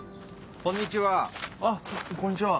こんにちは！